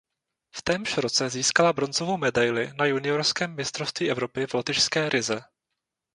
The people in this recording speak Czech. V témž roce získala bronzovou medaili na juniorském mistrovství Evropy v lotyšské Rize.